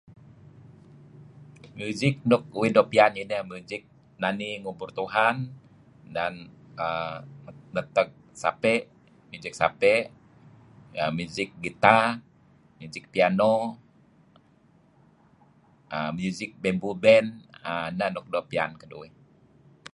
Music nuk uih doo' piyan, music nani ngubur Tuhan dan err neteg sape', music sape', music guitar, music piano err music bamboo band err neh nuk doo' piyan kuh.